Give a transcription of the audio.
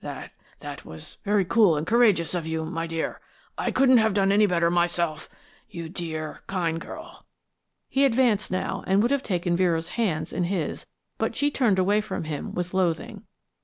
"That that was very cool and courageous of you, my dear. I couldn't have done any better myself. You dear, kind girl. He advanced now and would have taken Vera's hands in his, but she turned from him with loathing.